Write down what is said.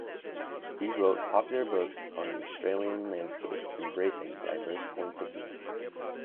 He wrote popular books on the Australian landscape embracing diverse points of view.